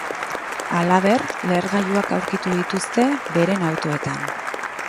Halaber, lehergailuak aurkitu dituzte beren autoetan.